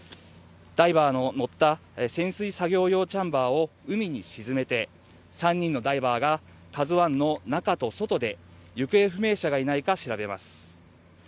ダイバーの乗った潜水作業用チャンバーを海に沈めて３人のダイバーが「ＫＡＺＵⅠ」の中と外で行方不明者がいないか調べます。